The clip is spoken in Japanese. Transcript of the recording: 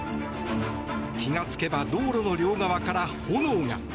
気がつけば道路の両側から炎が。